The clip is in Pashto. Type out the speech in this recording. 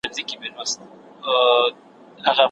که یو څېړونکی موضوع را اخلي باید مخینه یې وګوري.